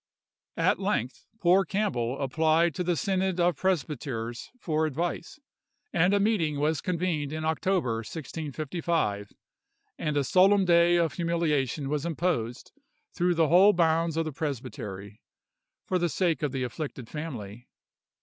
At length poor Cambell applied to the synod of presbyters for advice; and a meeting was convened in October, 1655, and a solemn day of humiliation was imposed through the whole bounds of the presbytery, for the sake of the afflicted family.